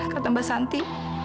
kata mbak santi